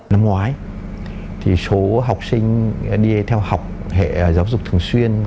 năm ngoái số học sinh đi theo học giáo dục thường xuyên